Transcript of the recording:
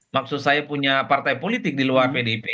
maksud saya punya partai politik di luar pdip